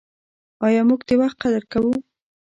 آیا موږ د وخت قدر کوو؟